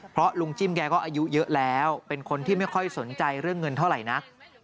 เพราะลุงจิ้มแกก็อายุเยอะแล้วเป็นคนที่ไม่ค่อยสนใจเรื่องเงินเท่าไหร่นัก